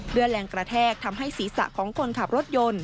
เลือดแรงกระแทกทำให้ศีรษะของคนขับรถยนต์